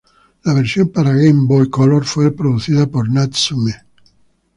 La versión para Game Boy Color fue producida por Natsume.